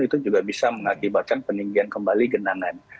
itu juga bisa mengakibatkan peninggian kembali genangan